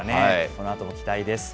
このあとも期待です。